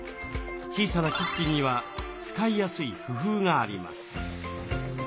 小さなキッチンには使いやすい工夫があります。